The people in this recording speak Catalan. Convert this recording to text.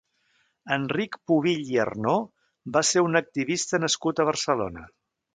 Enric Pubill i Arnó va ser un activista nascut a Barcelona.